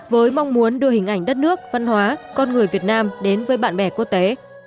với mong muốn đưa hình ảnh đất nước văn hóa con người việt nam đến với bạn bè quốc tế